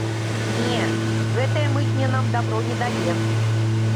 Не, гэтая мытня нам дабро не дае.